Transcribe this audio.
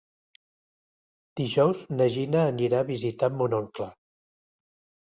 Dijous na Gina anirà a visitar mon oncle.